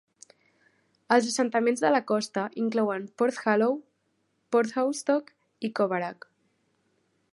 Els assentaments de la costa inclouen Porthallow, Porthoustock i Coverack.